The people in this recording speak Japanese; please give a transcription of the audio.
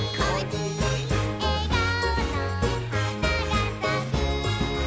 「えがおの花がさく」